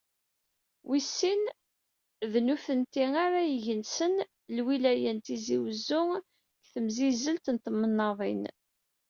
Wis sin, d nutni ara igensen lwilaya n Tizi Uzzu deg temsizzelt n temnaḍin.